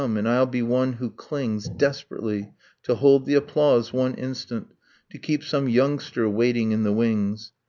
. and I'll be one who clings, Desperately, to hold the applause, one instant, To keep some youngster waiting in the wings.